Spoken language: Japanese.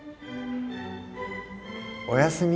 おやすみ。